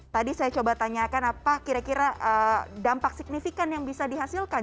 tadi saya coba tanyakan apa kira kira dampak signifikan yang bisa dihasilkan